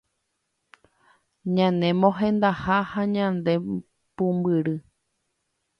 ñane mohendaha ha ñande pumbyry